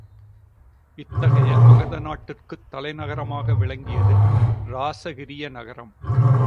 இத்தகைய மகத நாட்டிற்குத் தலைநகரமாக விளங்கியது இராசகிரிய நகரம்.